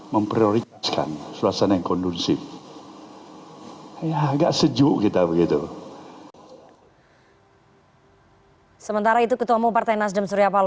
memprioritaskan suasana yang kondunsif